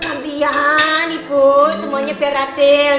sempian ibu semuanya biar adil